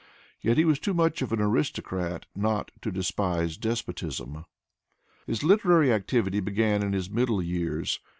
Yet he was too much of an aristocrat not to despise despotism. His literary activity began in his middle years.